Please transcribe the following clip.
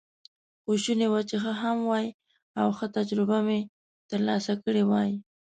خو شوني وه چې ښه هم وای، او ښه تجربه مې ترلاسه کړې وای.